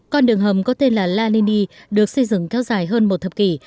con đường hầm có tên là la lini được xây dựng kéo dài hơn một thập kỷ